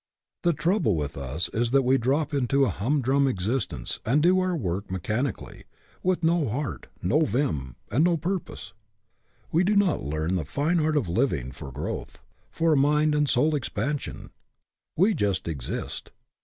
The trouble with us is that we drop into a humdrum existence and do our work mechan ically, with no heart, no vim, and no purpose. We do not learn the fine art of living for growth, for mind and soul expansion. We just exist.